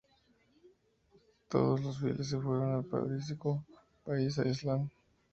Todos los fieles se fueron al paradisíaco país de Aslan.